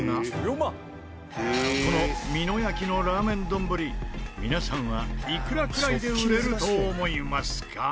この美濃焼のラーメン丼皆さんはいくらくらいで売れると思いますか？